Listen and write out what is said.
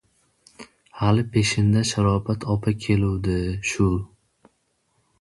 — Hali peshinda Sharopat opa keluvdi. Shu...